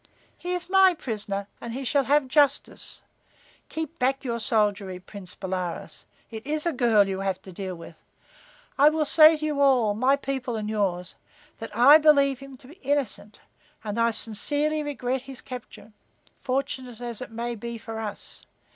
"He is my prisoner, and he shall have justice. Keep back your soldiery, Prince Bolaroz. It is a girl you have to deal with. I will say to you all, my people and yours, that I believe him to be innocent and that I sincerely regret his capture, fortunate as it may be for us.